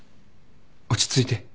落ち着いて。